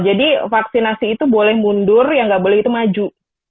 jadi vaksinasi itu boleh mundur yang nggak boleh itu maju